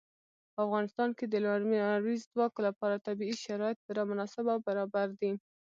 په افغانستان کې د لمریز ځواک لپاره طبیعي شرایط پوره مناسب او برابر دي.